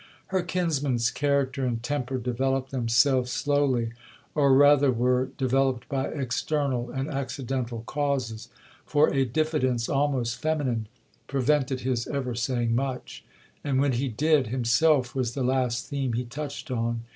Her kinsman's character and temper developed themselves slowly, or rather were developed by external and accidental causes; for a diffidence almost feminine prevented his ever saying much,—and when he did, himself was the last theme he touched on.